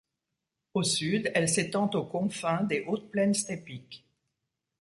Au sud, elle s'étend aux confins des hautes plaines steppiques.